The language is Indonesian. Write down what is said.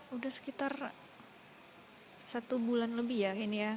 udah sekitar satu bulan lebih ya ini ya